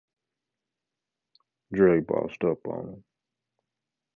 Straw hats are commonly blocked into shapes found in felt hats.